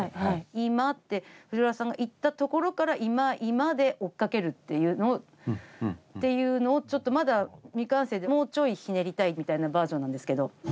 「今」って藤原さんが言ったところから「今」「今」で追っかけるっていうのをっていうのをちょっとまだ未完成でもうちょいひねりたいみたいなバージョンなんですけど。